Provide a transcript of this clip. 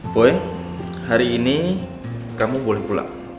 boy hari ini kamu boleh pulang